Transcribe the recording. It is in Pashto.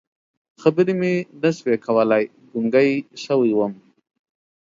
خبرې مې نه شوې کولی، ګونګی شوی وم.